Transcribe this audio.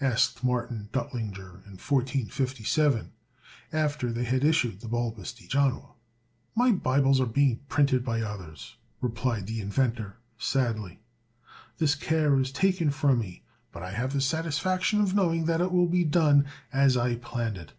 asked Martin Duttlinger in 1457, after they had issued the "Balbus de Janua." "My Bibles are being printed by others!" replied the inventor, sadly. "This care is taken from me; but I have the satisfaction of knowing that it will be done as I planned it.